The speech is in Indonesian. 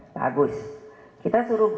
bagus kita suruh